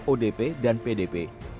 odp dan pdp